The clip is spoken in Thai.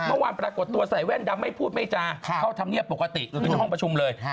ปรากฏตัวใส่แว่นดำไม่พูดไม่จาเข้าธรรมเนียบปกติขึ้นห้องประชุมเลย